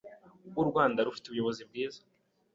u Rwanda rufite ubuyobozi bwiza